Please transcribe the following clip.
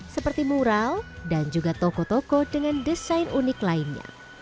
seperti mural dan juga toko toko dengan desain unik lainnya